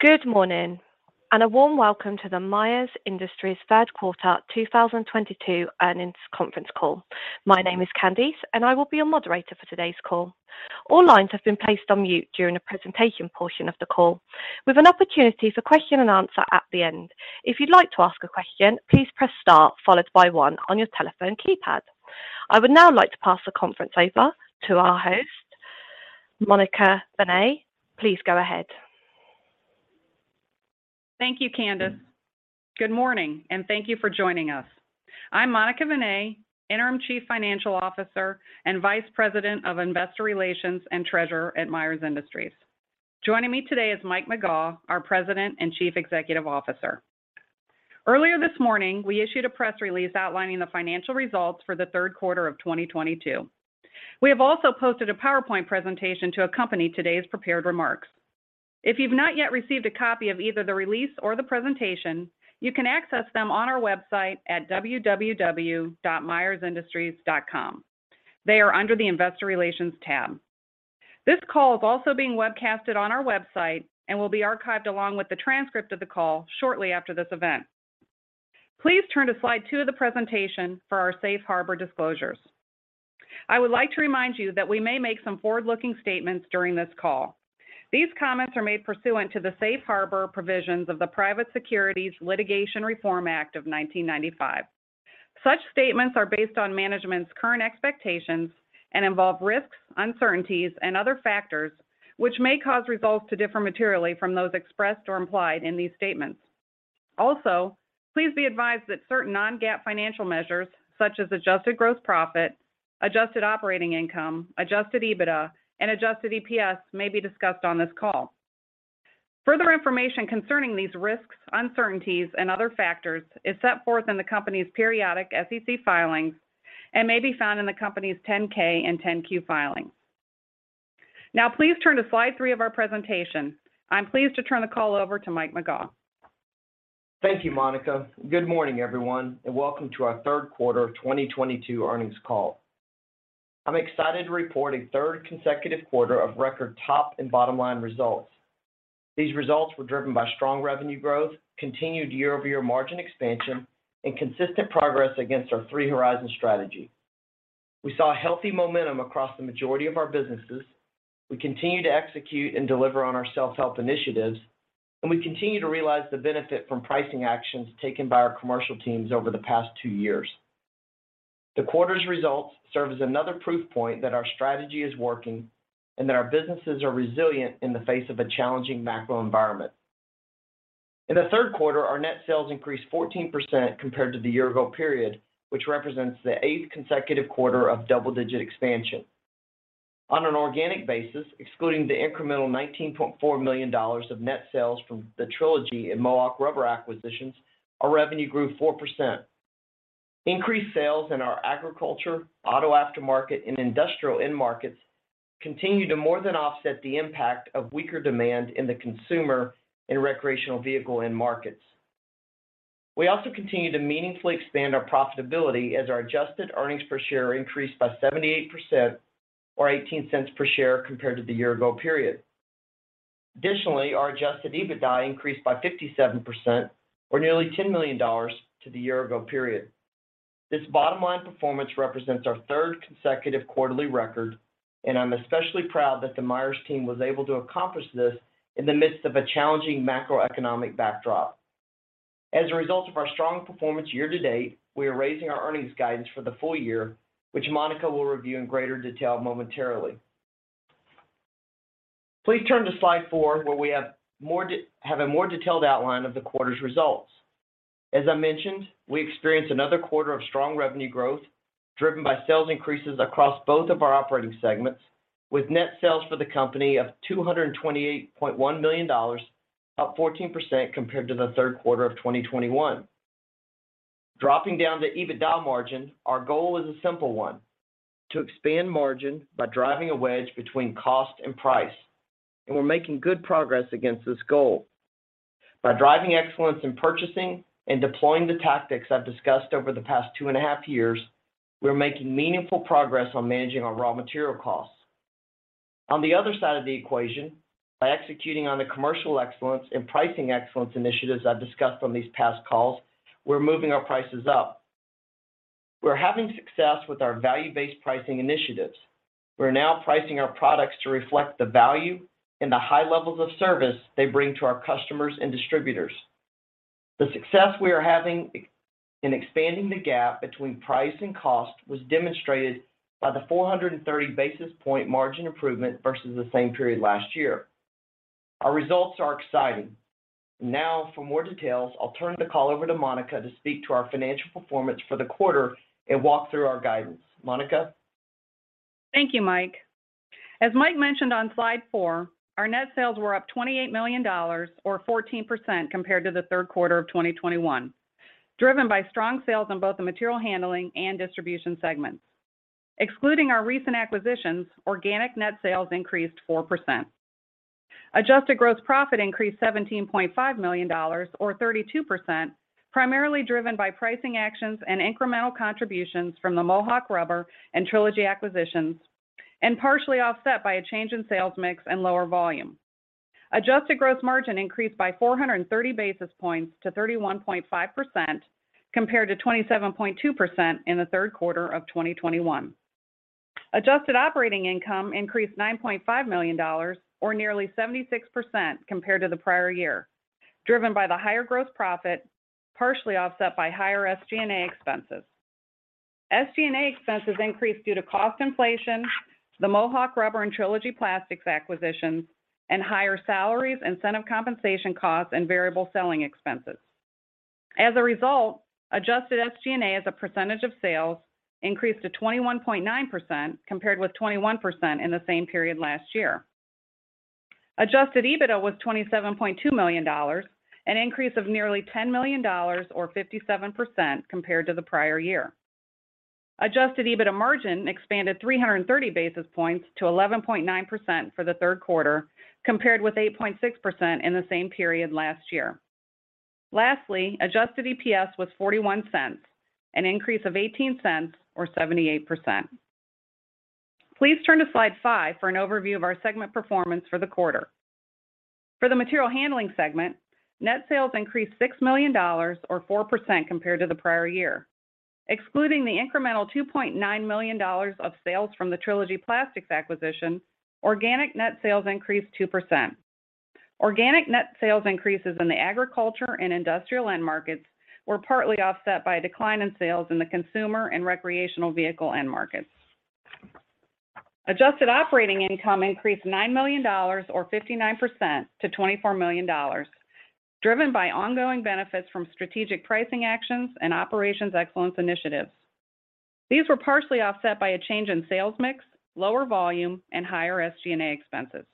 Good morning, and a warm welcome to the Myers Industries third quarter 2022 earnings conference call. My name is Candice, and I will be your moderator for today's call. All lines have been placed on mute during the presentation portion of the call, with an opportunity for question and answer at the end. If you'd like to ask a question, please press star followed by one on your telephone keypad. I would now like to pass the conference over to our host, Monica Vinay. Please go ahead. Thank you, Candice. Good morning, and thank you for joining us. I'm Monica Vinay, Interim Chief Financial Officer and Vice President of Investor Relations and Treasurer at Myers Industries. Joining me today is Mike McGaugh, our President and Chief Executive Officer. Earlier this morning, we issued a press release outlining the financial results for the third quarter of 2022. We have also posted a PowerPoint presentation to accompany today's prepared remarks. If you've not yet received a copy of either the release or the presentation, you can access them on our website at www.myersindustries.com. They are under the Investor Relations tab. This call is also being webcasted on our website and will be archived along with the transcript of the call shortly after this event. Please turn to slide 2 of the presentation for our safe harbor disclosures. I would like to remind you that we may make some forward-looking statements during this call. These comments are made pursuant to the safe harbor provisions of the Private Securities Litigation Reform Act of 1995. Such statements are based on management's current expectations and involve risks, uncertainties and other factors which may cause results to differ materially from those expressed or implied in these statements. Also, please be advised that certain non-GAAP financial measures such as adjusted gross profit, adjusted operating income, adjusted EBITDA, and adjusted EPS may be discussed on this call. Further information concerning these risks, uncertainties, and other factors is set forth in the company's periodic SEC filings and may be found in the company's 10-K and 10-Q filings. Now please turn to slide 3 of our presentation. I'm pleased to turn the call over to Mike McGaugh. Thank you, Monica. Good morning, everyone, and welcome to our third quarter of 2022 earnings call. I'm excited to report a third consecutive quarter of record top and bottom-line results. These results were driven by strong revenue growth, continued year-over-year margin expansion, and consistent progress against our Three-Horizon strategy. We saw healthy momentum across the majority of our businesses. We continue to execute and deliver on our self-help initiatives, and we continue to realize the benefit from pricing actions taken by our commercial teams over the past two years. The quarter's results serve as another proof point that our strategy is working and that our businesses are resilient in the face of a challenging macro environment. In the third quarter, our net sales increased 14% compared to the year ago period, which represents the eighth consecutive quarter of double-digit expansion. On an organic basis, excluding the incremental $19.4 million of net sales from the Trilogy Plastics and Mohawk Rubber acquisitions, our revenue grew 4%. Increased sales in our agriculture, auto aftermarket, and industrial end markets continue to more than offset the impact of weaker demand in the consumer and recreational vehicle end markets. We also continue to meaningfully expand our profitability as our adjusted earnings per share increased by 78% or $0.18 per share compared to the year ago period. Additionally, our adjusted EBITDA increased by 57% or nearly $10 million to the year ago period. This bottom line performance represents our third consecutive quarterly record, and I'm especially proud that the Myers team was able to accomplish this in the midst of a challenging macroeconomic backdrop. As a result of our strong performance year to date, we are raising our earnings guidance for the full year, which Monica will review in greater detail momentarily. Please turn to slide 4, where we have a more detailed outline of the quarter's results. As I mentioned, we experienced another quarter of strong revenue growth driven by sales increases across both of our operating segments, with net sales for the company of $228.1 million, up 14% compared to the third quarter of 2021. Dropping down to EBITDA margin, our goal is a simple one, to expand margin by driving a wedge between cost and price, and we're making good progress against this goal. By driving excellence in purchasing and deploying the tactics I've discussed over the past two and a half years, we're making meaningful progress on managing our raw material costs. On the other side of the equation, by executing on the commercial excellence and pricing excellence initiatives I've discussed on these past calls, we're moving our prices up. We're having success with our value-based pricing initiatives. We're now pricing our products to reflect the value and the high levels of service they bring to our customers and distributors. The success we are having in expanding the gap between price and cost was demonstrated by the 430 basis points margin improvement versus the same period last year. Our results are exciting. Now, for more details, I'll turn the call over to Monica to speak to our financial performance for the quarter and walk through our guidance. Monica? Thank you, Mike. As Mike mentioned on slide four, our net sales were up $28 million or 14% compared to the third quarter of 2021, driven by strong sales on both the material handling and distribution segments. Excluding our recent acquisitions, organic net sales increased 4%. Adjusted gross profit increased $17.5 million or 32%, primarily driven by pricing actions and incremental contributions from the Mohawk Rubber and Trilogy acquisitions. Partially offset by a change in sales mix and lower volume. Adjusted gross margin increased by 430 basis points to 31.5% compared to 27.2% in the third quarter of 2021. Adjusted operating income increased $9.5 million, or nearly 76% compared to the prior year, driven by the higher gross profit, partially offset by higher SG&A expenses. SG&A expenses increased due to cost inflation, the Mohawk Rubber and Trilogy Plastics acquisitions, and higher salaries, incentive compensation costs, and variable selling expenses. As a result, adjusted SG&A as a percentage of sales increased to 21.9% compared with 21% in the same period last year. Adjusted EBITDA was $27.2 million, an increase of nearly $10 million or 57% compared to the prior year. Adjusted EBITDA margin expanded 330 basis points to 11.9% for the third quarter, compared with 8.6% in the same period last year. Lastly, adjusted EPS was $0.41, an increase of $0.18 or 78%. Please turn to slide 5 for an overview of our segment performance for the quarter. For the material handling segment, net sales increased $6 million or 4% compared to the prior year. Excluding the incremental $2.9 million of sales from the Trilogy Plastics acquisition, organic net sales increased 2%. Organic net sales increases in the agriculture and industrial end markets were partly offset by a decline in sales in the consumer and recreational vehicle end markets. Adjusted operating income increased $9 million or 59% to $24 million, driven by ongoing benefits from strategic pricing actions and operations excellence initiatives. These were partially offset by a change in sales mix, lower volume, and higher SG&A expenses.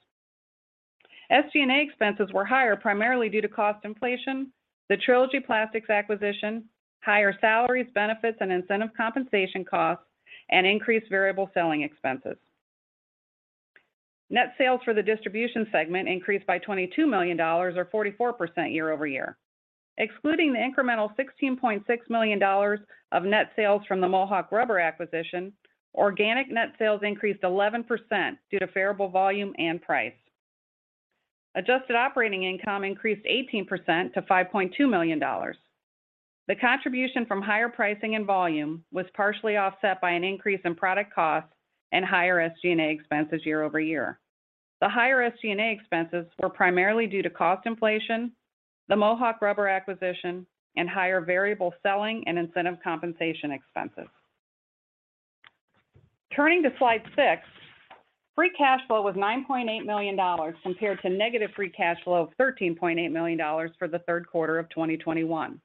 SG&A expenses were higher primarily due to cost inflation, the Trilogy Plastics acquisition, higher salaries, benefits, and incentive compensation costs, and increased variable selling expenses. Net sales for the distribution segment increased by $22 million, or 44% year-over-year. Excluding the incremental $16.6 million of net sales from the Mohawk Rubber acquisition, organic net sales increased 11% due to favorable volume and price. Adjusted operating income increased 18% to $5.2 million. The contribution from higher pricing and volume was partially offset by an increase in product costs and higher SG&A expenses year-over-year. The higher SG&A expenses were primarily due to cost inflation, the Mohawk Rubber acquisition, and higher variable selling and incentive compensation expenses. Turning to slide six, free cash flow was $9.8 million compared to negative free cash flow of $13.8 million for the third quarter of 2021.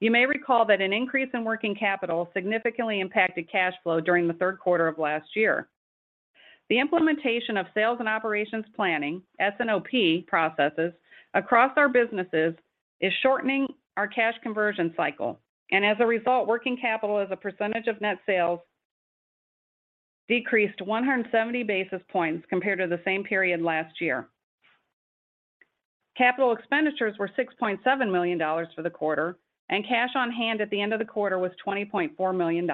You may recall that an increase in working capital significantly impacted cash flow during the third quarter of last year. The implementation of sales and operations planning, S&OP, processes across our businesses is shortening our cash conversion cycle, and as a result, working capital as a percentage of net sales decreased 170 basis points compared to the same period last year. Capital expenditures were $6.7 million for the quarter, and cash on hand at the end of the quarter was $20.4 million.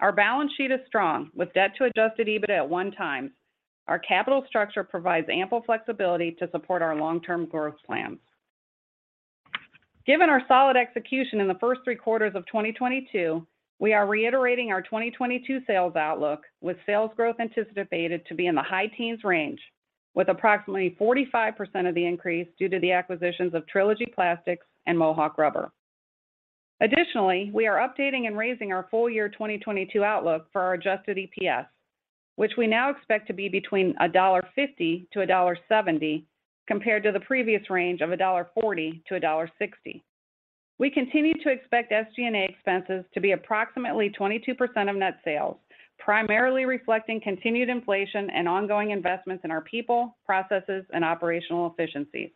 Our balance sheet is strong, with debt to adjusted EBITDA at 1x. Our capital structure provides ample flexibility to support our long-term growth plans. Given our solid execution in the first three quarters of 2022, we are reiterating our 2022 sales outlook with sales growth anticipated to be in the high teens range, with approximately 45% of the increase due to the acquisitions of Trilogy Plastics and Mohawk Rubber. Additionally, we are updating and raising our full-year 2022 outlook for our adjusted EPS, which we now expect to be between $1.50-$1.70, compared to the previous range of $1.40-$1.60. We continue to expect SG&A expenses to be approximately 22% of net sales, primarily reflecting continued inflation and ongoing investments in our people, processes, and operational efficiencies.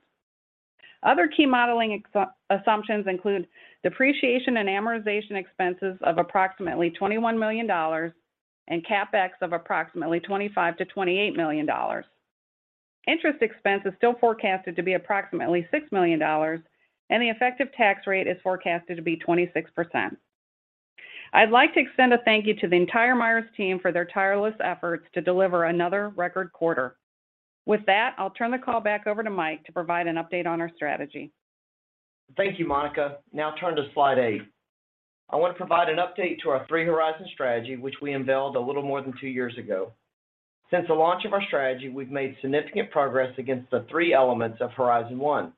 Other key modeling assumptions include depreciation and amortization expenses of approximately $21 million and CapEx of approximately $25 million-$28 million. Interest expense is still forecasted to be approximately $6 million, and the effective tax rate is forecasted to be 26%. I'd like to extend a thank you to the entire Myers team for their tireless efforts to deliver another record quarter. With that, I'll turn the call back over to Mike to provide an update on our strategy. Thank you, Monica. Now turn to slide 8. I want to provide an update to our Three-Horizon strategy, which we unveiled a little more than two years ago. Since the launch of our strategy, we've made significant progress against the three elements of Horizon One,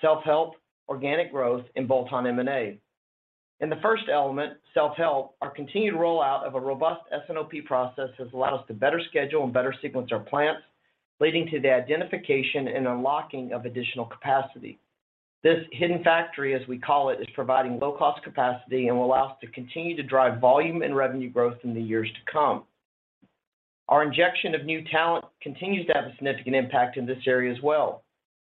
self-help, organic growth, and bolt-on M&A. In the first element, self-help, our continued rollout of a robust S&OP process has allowed us to better schedule and better sequence our plants, leading to the identification and unlocking of additional capacity. This hidden factory, as we call it, is providing low-cost capacity and will allow us to continue to drive volume and revenue growth in the years to come. Our injection of new talent continues to have a significant impact in this area as well.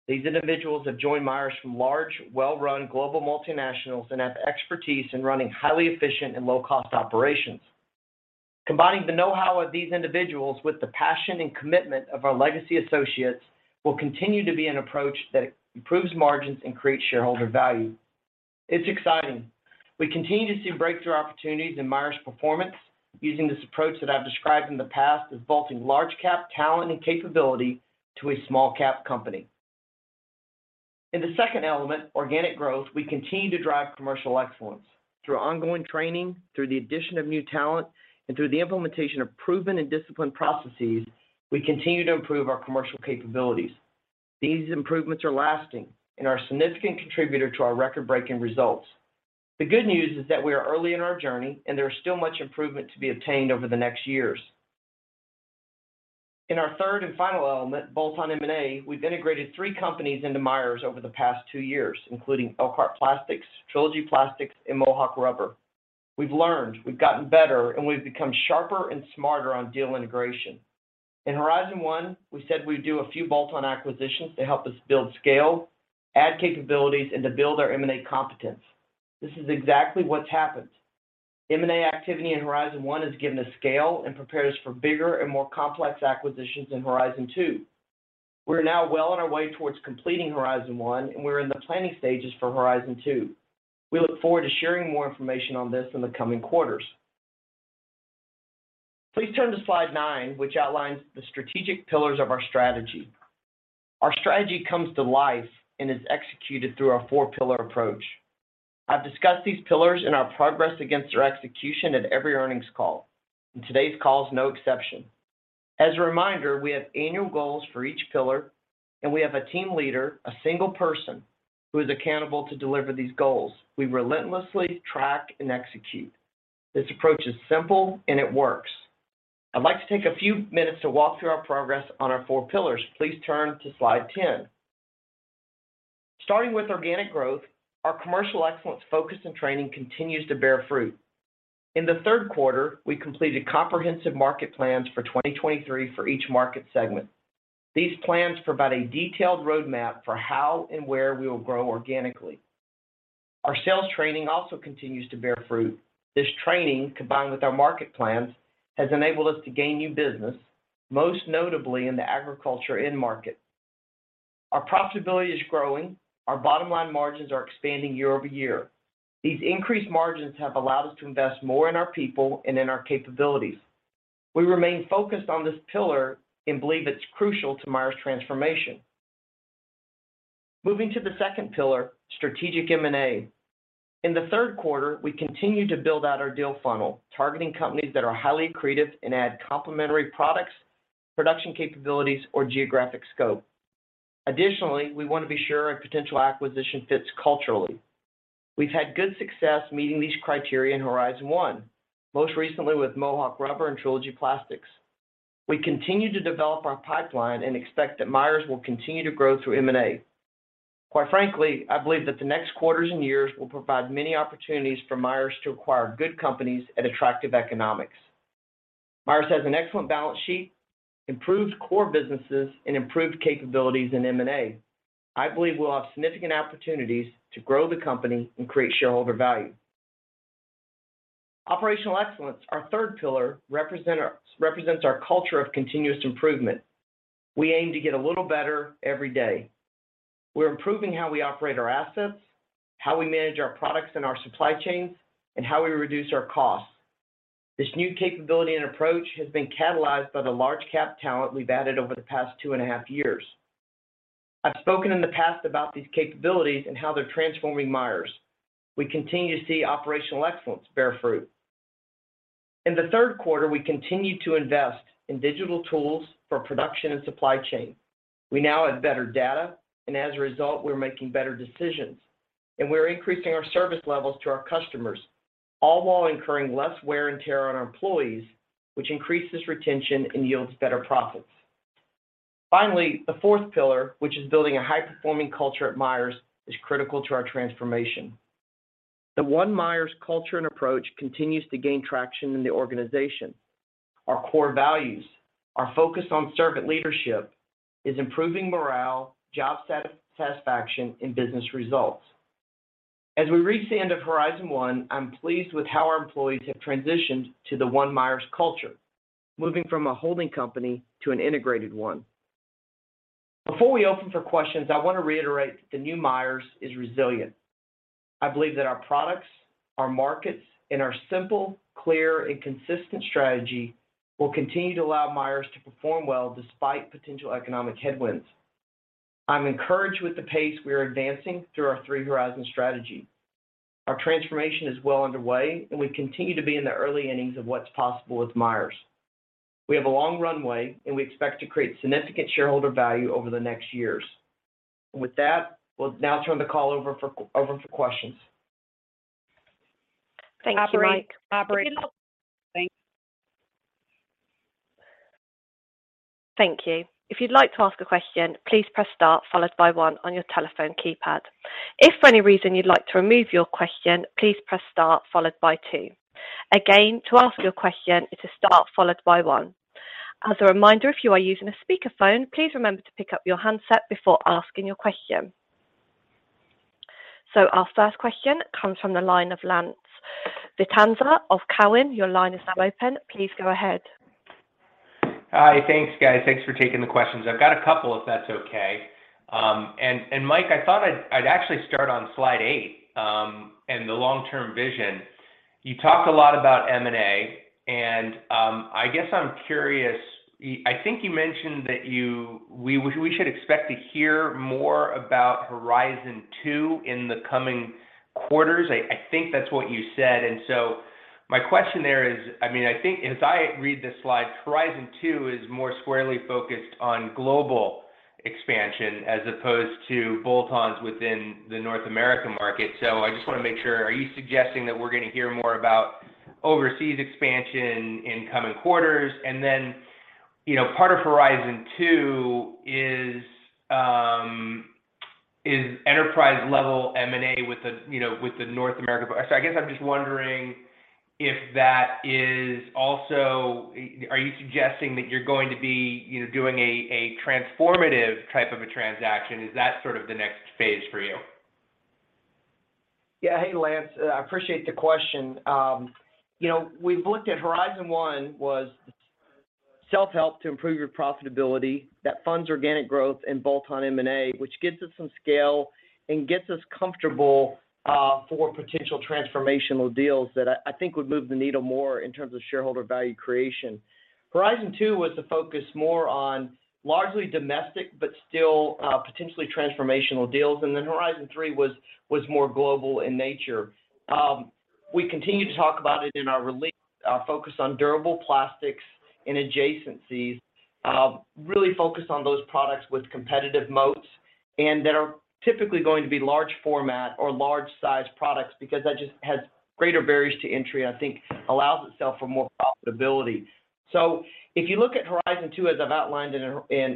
These individuals have joined Myers from large, well-run global multinationals and have expertise in running highly efficient and low-cost operations. Combining the know-how of these individuals with the passion and commitment of our legacy associates will continue to be an approach that improves margins and creates shareholder value. It's exciting. We continue to see breakthrough opportunities in Myers' performance using this approach that I've described in the past as bolting large cap talent and capability to a small cap company. In the second element, organic growth, we continue to drive commercial excellence. Through ongoing training, through the addition of new talent, and through the implementation of proven and disciplined processes, we continue to improve our commercial capabilities. These improvements are lasting and are a significant contributor to our record-breaking results. The good news is that we are early in our journey, and there is still much improvement to be obtained over the next years. In our third and final element, bolt-on M&A, we've integrated 3 companies into Myers over the past 2 years, including Elkhart Plastics, Trilogy Plastics, and Mohawk Rubber. We've learned, we've gotten better, and we've become sharper and smarter on deal integration. In Horizon One, we said we'd do a few bolt-on acquisitions to help us build scale, add capabilities, and to build our M&A competence. This is exactly what's happened. M&A activity in Horizon One has given us scale and prepared us for bigger and more complex acquisitions in Horizon Two. We're now well on our way towards completing Horizon One, and we're in the planning stages for Horizon Two. We look forward to sharing more information on this in the coming quarters. Please turn to slide 9, which outlines the strategic pillars of our strategy. Our strategy comes to life and is executed through our 4-pillar approach. I've discussed these pillars and our progress against their execution at every earnings call, and today's call is no exception. As a reminder, we have annual goals for each pillar, and we have a team leader, a single person, who is accountable to deliver these goals. We relentlessly track and execute. This approach is simple, and it works. I'd like to take a few minutes to walk through our progress on our four pillars. Please turn to slide 10. Starting with organic growth, our commercial excellence focus and training continues to bear fruit. In the third quarter, we completed comprehensive market plans for 2023 for each market segment. These plans provide a detailed roadmap for how and where we will grow organically. Our sales training also continues to bear fruit. This training, combined with our market plans, has enabled us to gain new business, most notably in the agriculture end market. Our profitability is growing. Our bottom-line margins are expanding year-over-year. These increased margins have allowed us to invest more in our people and in our capabilities. We remain focused on this pillar and believe it's crucial to Myers' transformation. Moving to the second pillar, strategic M&A. In the third quarter, we continued to build out our deal funnel, targeting companies that are highly accretive and add complementary products, production capabilities, or geographic scope. Additionally, we want to be sure a potential acquisition fits culturally. We've had good success meeting these criteria in Horizon One, most recently with Mohawk Rubber and Trilogy Plastics. We continue to develop our pipeline and expect that Myers will continue to grow through M&A. Quite frankly, I believe that the next quarters and years will provide many opportunities for Myers to acquire good companies at attractive economics. Myers has an excellent balance sheet, improved core businesses, and improved capabilities in M&A. I believe we'll have significant opportunities to grow the company and create shareholder value. Operational excellence, our third pillar, represents our culture of continuous improvement. We aim to get a little better every day. We're improving how we operate our assets, how we manage our products and our supply chains, and how we reduce our costs. This new capability and approach has been catalyzed by the large cap talent we've added over the past 2.5 years. I've spoken in the past about these capabilities and how they're transforming Myers. We continue to see operational excellence bear fruit. In the third quarter, we continued to invest in digital tools for production and supply chain. We now have better data, and as a result, we're making better decisions. We're increasing our service levels to our customers, all while incurring less wear and tear on our employees, which increases retention and yields better profits. Finally, the fourth pillar, which is building a high-performing culture at Myers, is critical to our transformation. The One Myers culture and approach continues to gain traction in the organization. Our core values, our focus on servant leadership is improving morale, job satisfaction, and business results. As we reach the end of Horizon One, I'm pleased with how our employees have transitioned to the One Myers culture, moving from a holding company to an integrated one. Before we open for questions, I want to reiterate that the new Myers is resilient. I believe that our products, our markets, and our simple, clear, and consistent strategy will continue to allow Myers to perform well despite potential economic headwinds. I'm encouraged with the pace we are advancing through our Three-Horizon strategy. Our transformation is well underway, and we continue to be in the early innings of what's possible with Myers. We have a long runway, and we expect to create significant shareholder value over the next years. With that, we'll now turn the call over for questions. Thank you, Mike. Operator? If you'd like. Thanks. Thank you. If you'd like to ask a question, please press star followed by one on your telephone keypad. If for any reason you'd like to remove your question, please press star followed by two. Again, to ask your question, it's star followed by one. As a reminder, if you are using a speakerphone, please remember to pick up your handset before asking your question. Our first question comes from the line of Lance Vitanza of Cowen. Your line is now open. Please go ahead. Hi. Thanks, guys. Thanks for taking the questions. I've got a couple, if that's okay. Mike, I thought I'd actually start on slide 8, and the long-term vision. You talked a lot about M&A, and I guess I'm curious. I think you mentioned that we should expect to hear more about Horizon Two in the coming quarters. I think that's what you said. My question there is, I mean, I think as I read this slide, Horizon Two is more squarely focused on global expansion as opposed to bolt-ons within the North American market. I just wanna make sure, are you suggesting that we're gonna hear more about overseas expansion in coming quarters? Then, you know, part of Horizon Two is enterprise level M&A with the, you know, North America. I guess I'm just wondering if that is also. Are you suggesting that you're going to be, you know, doing a transformative type of a transaction? Is that sort of the next phase for you? Yeah. Hey, Lance. I appreciate the question. You know, we've looked at Horizon One was self-help to improve your profitability that funds organic growth and bolt-on M&A, which gets us some scale and gets us comfortable for potential transformational deals that I think would move the needle more in terms of shareholder value creation. Horizon Two was to focus more on largely domestic, but still, potentially transformational deals. Horizon Three was more global in nature. We continue to talk about it in our focus on durable plastics and adjacencies. Really focused on those products with competitive moats, and that are typically going to be large format or large size products because that just has greater barriers to entry, I think allows itself for more profitability. If you look at Horizon Two, as I've outlined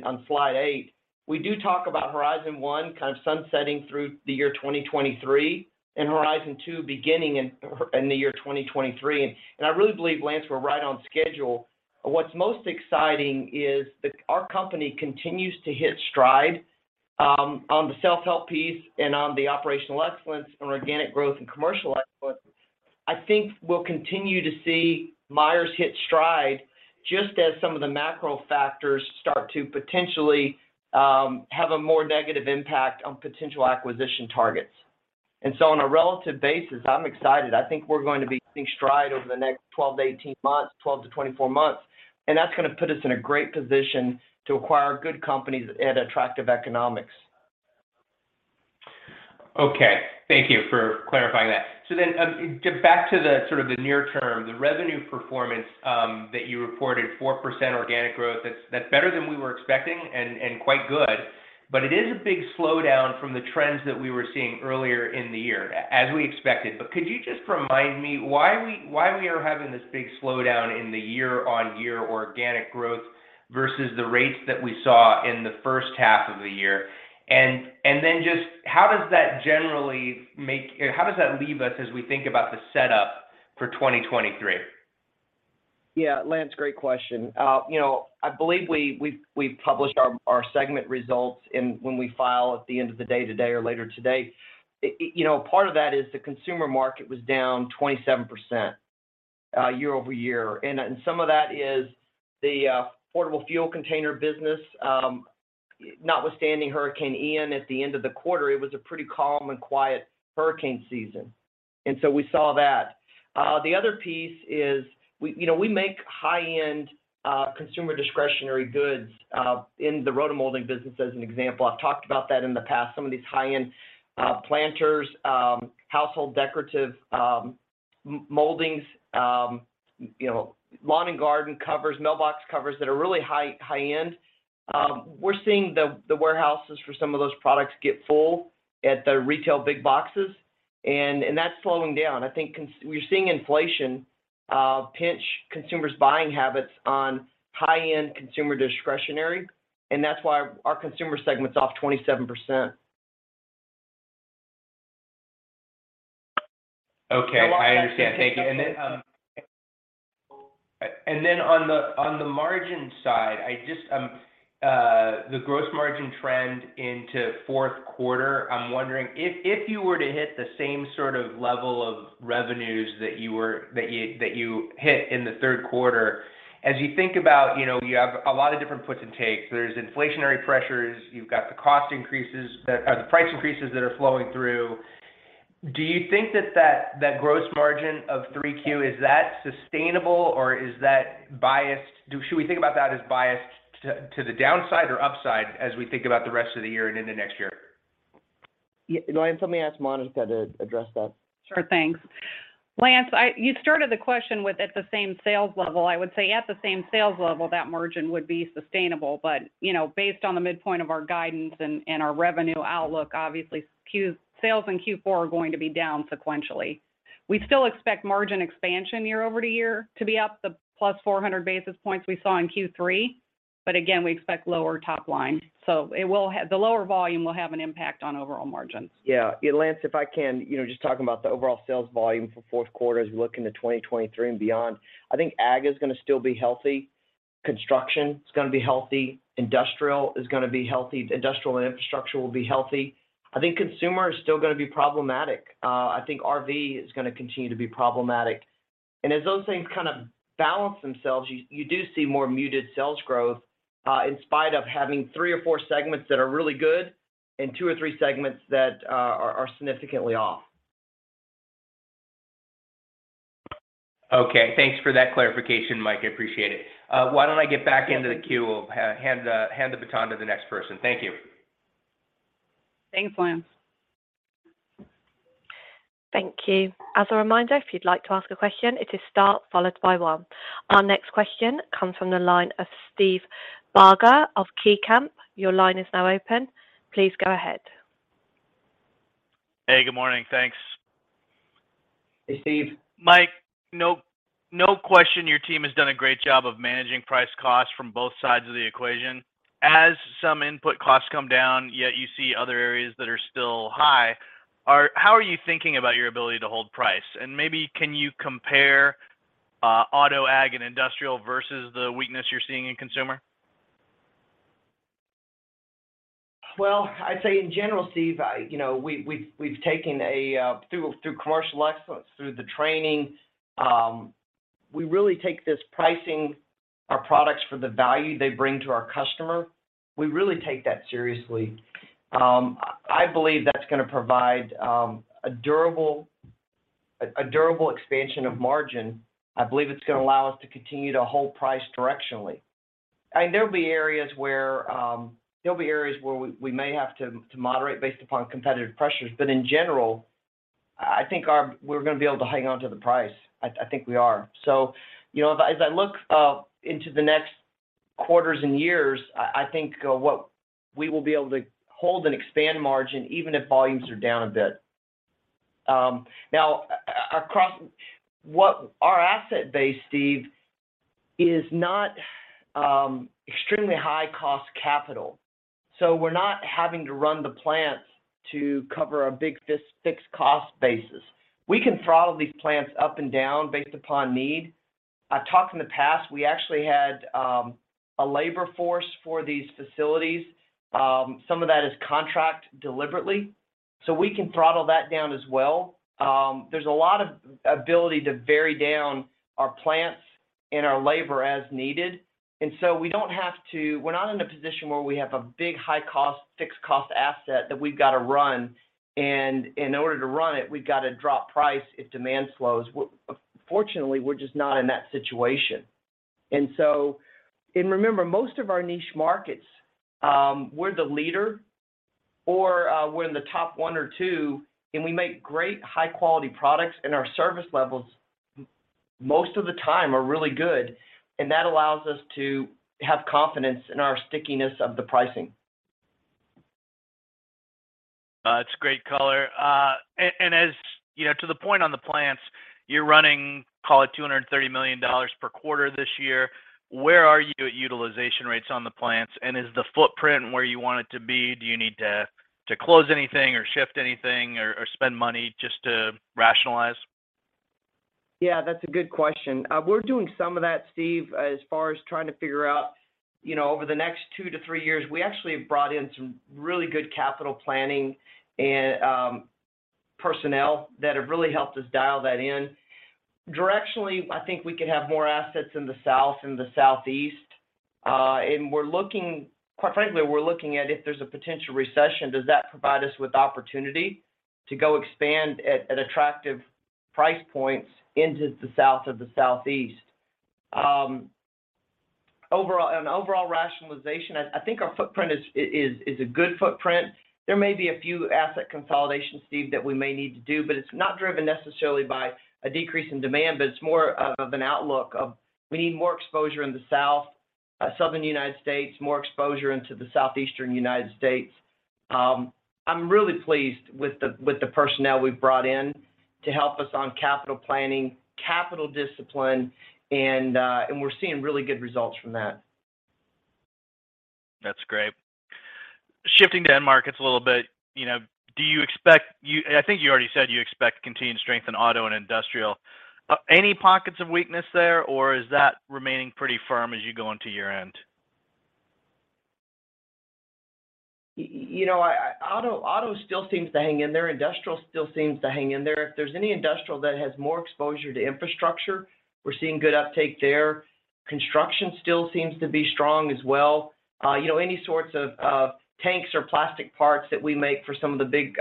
on slide 8, we do talk about Horizon One kind of sunsetting through the year 2023, and Horizon Two beginning in the year 2023. I really believe, Lance, we're right on schedule. What's most exciting is that our company continues to hit stride on the self-help piece and on the operational excellence on organic growth and commercial excellence. I think we'll continue to see Myers hit stride just as some of the macro factors start to potentially have a more negative impact on potential acquisition targets. On a relative basis, I'm excited. I think we're going to be hitting stride over the next 12-18 months, 12-24 months, and that's gonna put us in a great position to acquire good companies at attractive economics. Okay. Thank you for clarifying that. Get back to the sort of the near term, the revenue performance, that you reported 4% organic growth. That's better than we were expecting and quite good, but it is a big slowdown from the trends that we were seeing earlier in the year as we expected. Could you just remind me why we are having this big slowdown in the year-on-year organic growth versus the rates that we saw in the first half of the year? Then just how does that or how does that leave us as we think about the setup for 2023? Yeah. Lance, great question. You know, I believe we've published our segment results in the 10-Q when we file at the end of the day today or later today. You know, part of that is the consumer market was down 27%, year-over-year. And some of that is the portable fuel container business. Notwithstanding Hurricane Ian at the end of the quarter, it was a pretty calm and quiet hurricane season. We saw that. The other piece is we, you know, we make high-end consumer discretionary goods in the roto molding business, as an example. I've talked about that in the past. Some of these high-end planters, household decorative moldings, you know, lawn and garden covers, mailbox covers that are really high-end. We're seeing the warehouses for some of those products get full at the retail big boxes, and that's slowing down. I think we're seeing inflation pinch consumers' buying habits on high-end consumer discretionary, and that's why our consumer segment's off 27%. Okay. I understand. Thank you. On the margin side, I just the gross margin trend into fourth quarter. I'm wondering if you were to hit the same sort of level of revenues that you hit in the third quarter, as you think about, you know, you have a lot of different puts and takes. There's inflationary pressures. You've got the price increases that are flowing through. Do you think that gross margin of 3Q is sustainable or is that biased? Should we think about that as biased to the downside or upside as we think about the rest of the year and into next year? Yeah. No, let me ask Monica to address that. Sure. Thanks. Lance, you started the question with, at the same sales level. I would say at the same sales level, that margin would be sustainable. You know, based on the midpoint of our guidance and our revenue outlook, obviously, sales in Q4 are going to be down sequentially. We still expect margin expansion year-over-year to be up plus 400 basis points we saw in Q3. Again, we expect lower top line. The lower volume will have an impact on overall margins. Yeah. Lance, if I can, you know, just talking about the overall sales volume for fourth quarter as we look into 2023 and beyond. I think ag is gonna still be healthy. Construction is gonna be healthy. Industrial is gonna be healthy. Industrial and infrastructure will be healthy. I think consumer is still gonna be problematic. I think RV is gonna continue to be problematic. As those things kind of balance themselves, you do see more muted sales growth, in spite of having three or four segments that are really good and two or three segments that are significantly off. Okay. Thanks for that clarification, Mike. I appreciate it. Why don't I get back into the queue? I'll hand the baton to the next person. Thank you. Thanks, Lance. Thank you. As a reminder, if you'd like to ask a question, it is star followed by one. Our next question comes from the line of Steve Barger of KeyBanc. Your line is now open. Please go ahead. Hey, good morning. Thanks. Hey, Steve. Mike, no question your team has done a great job of managing price cost from both sides of the equation. As some input costs come down, yet you see other areas that are still high, how are you thinking about your ability to hold price? Maybe can you compare auto ag and industrial versus the weakness you're seeing in consumer? Well, I'd say in general, Steve, you know, we've taken through commercial excellence, through the training, we really take this pricing our products for the value they bring to our customer. We really take that seriously. I believe that's gonna provide a durable expansion of margin. I believe it's gonna allow us to continue to hold price directionally. I mean, there'll be areas where there'll be areas where we may have to moderate based upon competitive pressures. But in general, I think we're gonna be able to hang on to the price. I think we are. You know, as I look into the next quarters and years, I think what we will be able to hold and expand margin even if volumes are down a bit. Now across our asset base, Steve, is not extremely high cost capital, so we're not having to run the plants to cover a big fixed cost basis. We can throttle these plants up and down based upon need. I've talked in the past, we actually had a labor force for these facilities. Some of that is contract deliberately. So we can throttle that down as well. There's a lot of ability to vary down our plants and our labor as needed. We don't have to. We're not in a position where we have a big high-cost, fixed-cost asset that we've gotta run, and in order to run it, we've got a drop price if demand slows. Fortunately, we're just not in that situation. Remember, most of our niche markets, we're the leader or, we're in the top one or two, and we make great high quality products, and our service levels most of the time are really good. That allows us to have confidence in our stickiness of the pricing. It's great color. As you know, to the point on the plants, you're running, call it $230 million per quarter this year. Where are you at utilization rates on the plants? Is the footprint where you want it to be? Do you need to close anything or shift anything or spend money just to rationalize? Yeah, that's a good question. We're doing some of that, Steve, as far as trying to figure out, you know, over the next 2-3 years, we actually have brought in some really good capital planning and, personnel that have really helped us dial that in. Directionally, I think we could have more assets in the South and the Southeast. We're looking, quite frankly, we're looking at if there's a potential recession, does that provide us with opportunity to go expand at attractive price points into the South or the Southeast? Overall, on overall rationalization, I think our footprint is a good footprint. There may be a few asset consolidations, Steve, that we may need to do, but it's not driven necessarily by a decrease in demand, but it's more of an outlook of we need more exposure in the South, Southern United States, more exposure into the Southeastern United States. I'm really pleased with the personnel we've brought in to help us on capital planning, capital discipline, and we're seeing really good results from that. That's great. Shifting to end markets a little bit, you know, do you expect? I think you already said you expect continued strength in auto and industrial. Any pockets of weakness there, or is that remaining pretty firm as you go into year-end? You know, auto still seems to hang in there. Industrial still seems to hang in there. If there's any industrial that has more exposure to infrastructure, we're seeing good uptake there. Construction still seems to be strong as well. You know, any sorts of tanks or plastic parts that we make for some of the big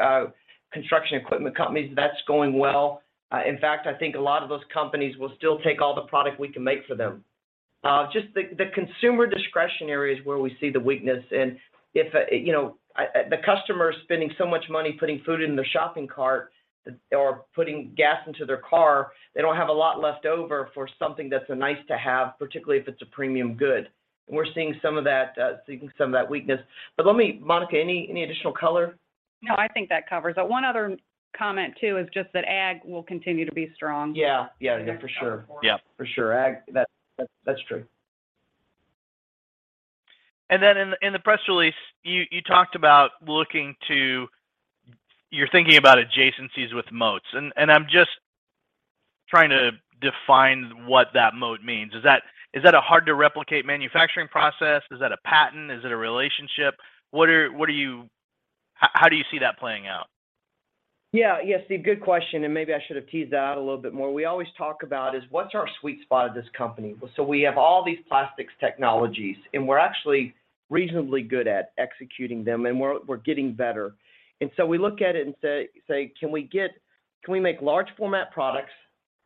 construction equipment companies, that's going well. In fact, I think a lot of those companies will still take all the product we can make for them. Just the consumer discretionary area is where we see the weakness. If you know the customer is spending so much money putting food in their shopping cart or putting gas into their car, they don't have a lot left over for something that's a nice to have, particularly if it's a premium good. We're seeing some of that weakness. But let me, Monica, any additional color? No, I think that covers it. One other comment too is just that ag will continue to be strong. Yeah. Yeah. For sure. Yeah. For sure. Ag, that's true. Then in the press release, you talked about looking to, you're thinking about adjacencies with moats. I'm just trying to define what that moat means. Is that a hard to replicate manufacturing process? Is that a patent? Is it a relationship? What are you? How do you see that playing out? Yeah. Yeah, Steve, good question, and maybe I should have teased that out a little bit more. We always talk about is what's our sweet spot of this company? Well, we have all these plastics technologies, and we're actually reasonably good at executing them, and we're getting better. We look at it and say, "Can we make large format products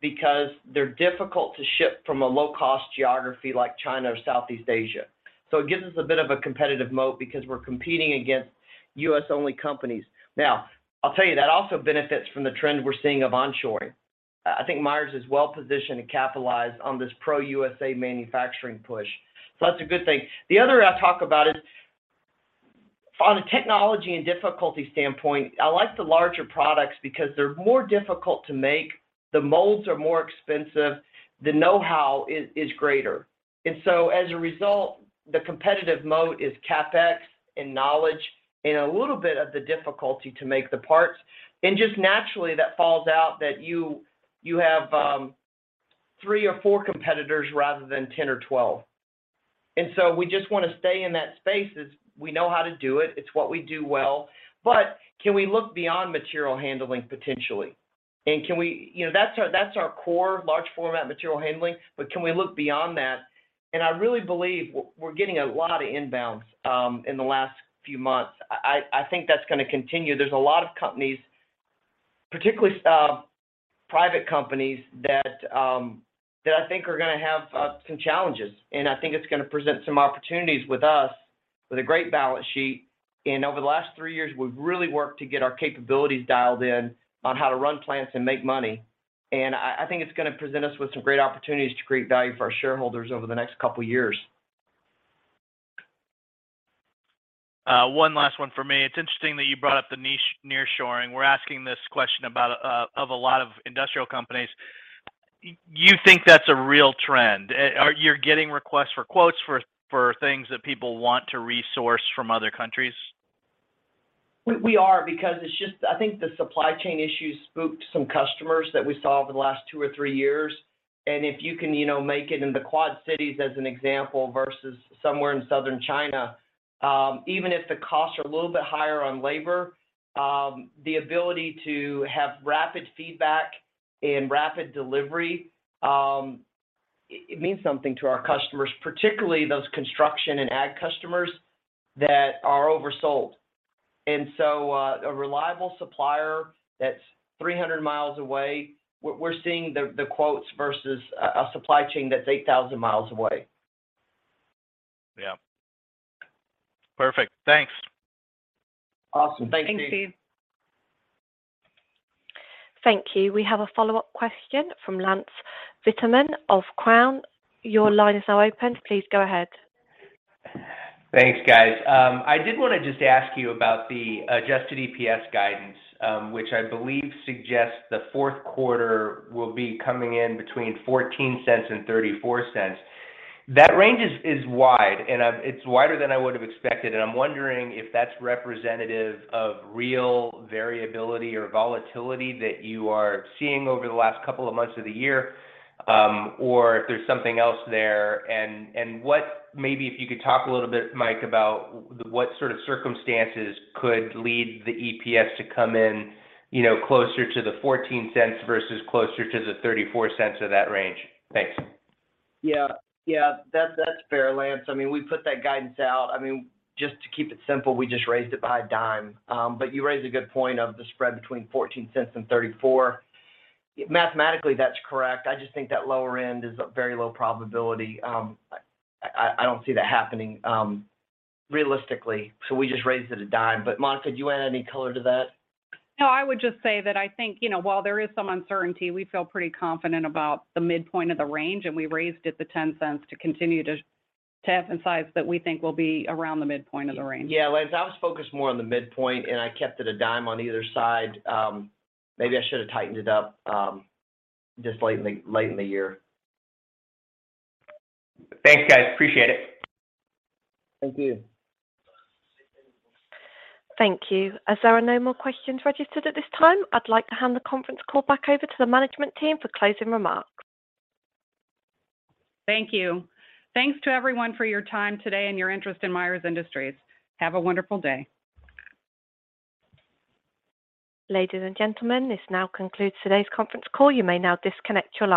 because they're difficult to ship from a low-cost geography like China or Southeast Asia?" It gives us a bit of a competitive moat because we're competing against U.S.-only companies. Now, I'll tell you, that also benefits from the trend we're seeing of onshoring. I think Myers is well-positioned to capitalize on this pro-USA manufacturing push, so that's a good thing. The other I talk about is on a technology and difficulty standpoint. I like the larger products because they're more difficult to make. The molds are more expensive, the know-how is greater. As a result, the competitive moat is CapEx and knowledge and a little bit of the difficulty to make the parts. Just naturally, that falls out that you have 3 or 4 competitors rather than 10 or 12. We just wanna stay in that space as we know how to do it. It's what we do well. Can we look beyond material handling potentially? Can we. You know, that's our core, large format material handling, but can we look beyond that? I really believe we're getting a lot of inbounds in the last few months. I think that's gonna continue. There's a lot of companies, particularly, private companies that I think are gonna have some challenges, and I think it's gonna present some opportunities with us with a great balance sheet. Over the last three years, we've really worked to get our capabilities dialed in on how to run plants and make money. I think it's gonna present us with some great opportunities to create value for our shareholders over the next couple years. One last one for me. It's interesting that you brought up the niche nearshoring. We're asking this question about a lot of industrial companies. You think that's a real trend? Are you getting requests for quotes for things that people want to resource from other countries? We are because it's just, I think the supply chain issues spooked some customers that we saw over the last 2 or 3 years. If you can, you know, make it in the Quad Cities, as an example, versus somewhere in Southern China, even if the costs are a little bit higher on labor, the ability to have rapid feedback and rapid delivery, it means something to our customers, particularly those construction and ag customers that are oversold. A reliable supplier that's 300 mi away, we're seeing the quotes versus a supply chain that's 8,000 mi away. Yeah. Perfect. Thanks. Awesome. Thanks, Steve. Thanks, Steve. Thank you. We have a follow-up question from Lance Vitanza of Cowen. Your line is now open. Please go ahead. Thanks, guys. I did wanna just ask you about the adjusted EPS guidance, which I believe suggests the fourth quarter will be coming in between $0.14 and $0.34. That range is wide and it's wider than I would've expected, and I'm wondering if that's representative of real variability or volatility that you are seeing over the last couple of months of the year, or if there's something else there. What maybe if you could talk a little bit, Mike, about what sort of circumstances could lead the EPS to come in, you know, closer to the $0.14 versus closer to the $0.34 of that range? Thanks. Yeah. That's fair, Lance. I mean, we put that guidance out. I mean, just to keep it simple, we just raised it by $0.10. But you raise a good point of the spread between $0.14 and $0.34. Mathematically, that's correct. I just think that lower end is a very low probability. I don't see that happening realistically, so we just raised it by $0.10. Monica, do you add any color to that? No, I would just say that I think, you know, while there is some uncertainty, we feel pretty confident about the midpoint of the range, and we raised it to $0.10 to continue to emphasize that we think we'll be around the midpoint of the range. Yeah. Lance, I was focused more on the midpoint, and I kept it a dime on either side. Maybe I should have tightened it up, just late in the year. Thanks, guys. Appreciate it. Thank you. Thank you. As there are no more questions registered at this time, I'd like to hand the conference call back over to the management team for closing remarks. Thank you. Thanks to everyone for your time today and your interest in Myers Industries. Have a wonderful day. Ladies and gentlemen, this now concludes today's conference call. You may now disconnect your lines.